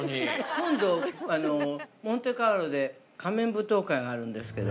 今度、モンテカルロで仮面舞踏会があるんですけど。